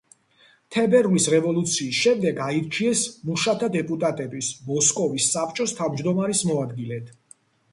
თებერვლის რევოლუციის შემდეგ აირჩიეს მუშათა დეპუტატების მოსკოვის საბჭოს თავმჯდომარის მოადგილედ.